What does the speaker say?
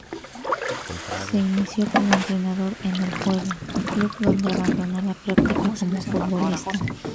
Se inició como entrenador en el Puebla, club donde abandonó la práctica como futbolista.